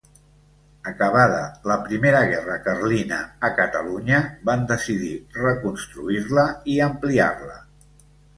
Acabada la Primera Guerra Carlina a Catalunya, van decidir reconstruir-la i ampliar-la.